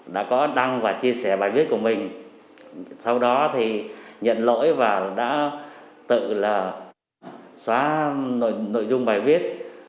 đã có đăng và chia sẻ bài viết của mình sau đó thì nhận lỗi và đã tự là xóa nội dung bài viết